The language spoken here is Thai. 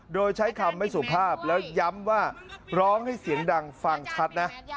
โดยใช้คำไม่สุภาพแล้วย้ำว่าร้องให้เสียงดังฟังชัดนะ